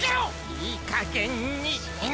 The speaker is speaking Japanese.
いいかげんにしなさい！